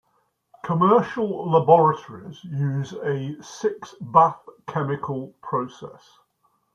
Commercial laboratories use a six-bath chemical process.